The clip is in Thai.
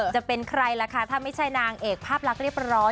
จะเป็นใครล่ะคะถ้าไม่ใช่นางเอกภาพลักษณ์เรียบร้อย